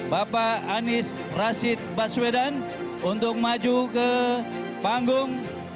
bapak anies rasid baswiden untuk maju ke panggung